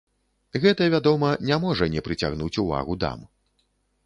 Гэта, вядома, не можа не прыцягнуць увагу дам.